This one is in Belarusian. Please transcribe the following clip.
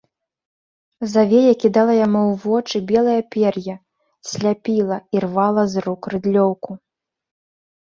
Завея кідала яму ў вочы белае пер'е, сляпіла, ірвала з рук рыдлёўку.